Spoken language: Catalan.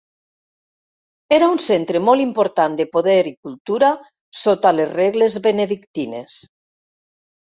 Era un centre molt important de poder i cultura sota les regles benedictines.